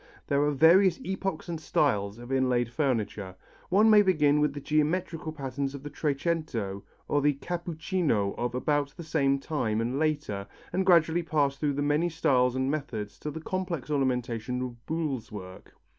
There are various epochs and styles of inlaid furniture. One may begin with the geometrical patterns of the Trecento or the cappuccino of about the same time and later, and gradually pass through the many styles and methods to the complex ornamentation of Buhl's work.